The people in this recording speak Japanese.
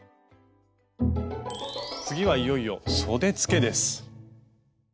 次はいよいよそでつけです。